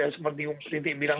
seperti yang titi bilang